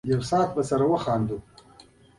له خپلې غوټې سره چي سیم راکړې وه له اورګاډي پلی شوم.